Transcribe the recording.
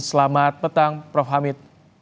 selamat petang prof hamid